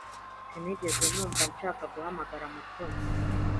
Sinigeze numva nshaka guhamagara Mutoni.